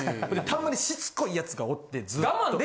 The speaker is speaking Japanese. たまにしつこいやつがおってずっと。